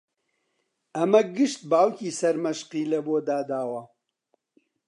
ئەمە گشت باوکی سەرمەشقی لەبۆ داداوە